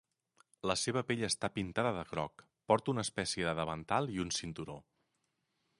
La seva pell està pintada de groc, porta una espècie de davantal i un cinturó.